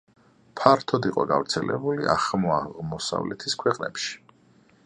ფართოდ იყო გავრცელებული ახლო აღმოსავლეთის ქვეყნებში.